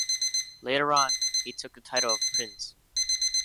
Later on, he took the title of Prinz.